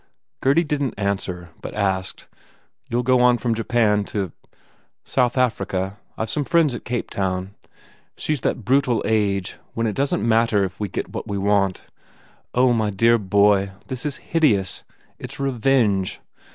Gurdy didn t answer but asked, "You ll go on from Japan to " "South Africa. I ve some friends at Cape town ... She s that brutal age, when it doesn t matter if we get what we want ... Oh, my dear boy, this is hideous! It s revenge!"